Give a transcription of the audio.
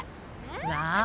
なあ。